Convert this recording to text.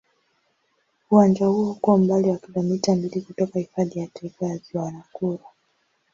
Uwanja huo uko umbali wa kilomita mbili kutoka Hifadhi ya Taifa ya Ziwa Nakuru.